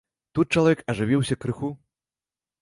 Тут чалавек ажывіўся крыху.